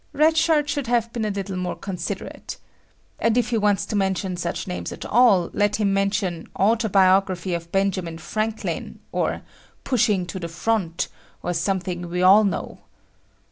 Red Shirt should have been a little more considerate. And if he wants to mention such names at all, let him mention "Autobiography of Ben Franklin," or "Pushing to the Front," or something we all know.